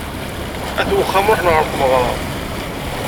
At uxxam ruḥen ɣer tmeɣra.